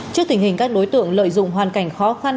trước tình hình các đối tượng lợi dụng hoàn cảnh khó khăn